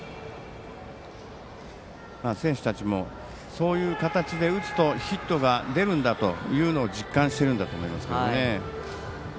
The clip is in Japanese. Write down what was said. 選手たちもそういう形で打つとヒットが出るんだというのを実感しているんだと思います。